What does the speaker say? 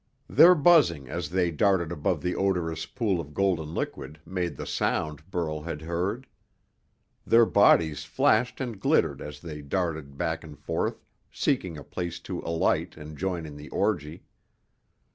Their buzzing as they darted above the odorous pool of golden liquid made the sound Burl had heard. Their bodies flashed and glittered as they darted back and forth, seeking a place to alight and join in the orgy.